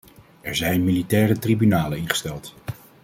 Er zijn militaire tribunalen ingesteld.